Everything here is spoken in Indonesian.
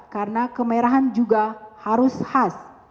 karena kemerahan juga harus khas